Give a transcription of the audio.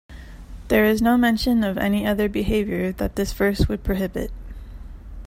There is no mention of any other behavior that this verse would prohibit.